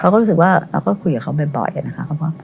เขาก็รู้สึกว่าเราก็คุยกับเขาบ่อยนะคะ